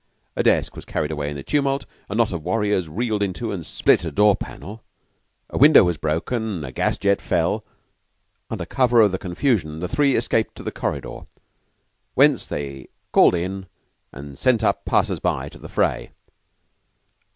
A desk was carried away in the tumult, a knot of warriors reeled into and split a door panel, a window was broken, and a gas jet fell. Under cover of the confusion the three escaped to the corridor, whence they called in and sent up passers by to the fray.